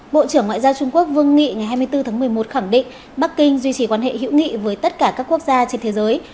bộ trưởng ngoại giao trung quốc vương nghị ngày hai mươi bốn tháng một mươi một khẳng định bắc kinh duy trì quan hệ hữu nghị với tất cả các quốc gia trên thế giới